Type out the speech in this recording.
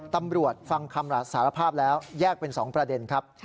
ตำรวจฟังคำสารภาพแล้วแยกเป็น๒ประเด็นครับ